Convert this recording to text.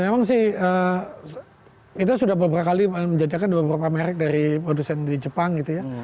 memang sih kita sudah beberapa kali menjajakan beberapa merek dari produsen di jepang gitu ya